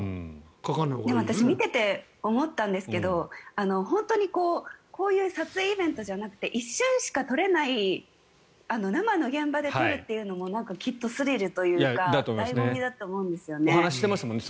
私、見ていて思ったんですけど本当にこういう撮影イベントじゃなくて一瞬しか撮れない生の現場で撮るというのもきっとスリルというか醍醐味だと思うんですよね。